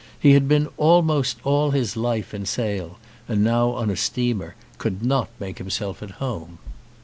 He had been almost all his life in sail and now on a steamer could not make himself at home.